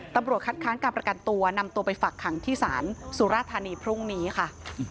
ตำรวจคัดค้านการประกันตัวนำตัวไปฝักขังที่ศาลสุราธานีพรุ่งนี้ค่ะ